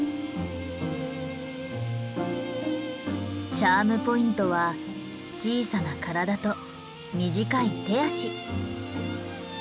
チャームポイントは小さな体と短い手足。